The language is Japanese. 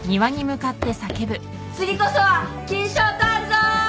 次こそは金賞取るぞー！